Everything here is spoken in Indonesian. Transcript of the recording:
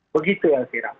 begitu ya fira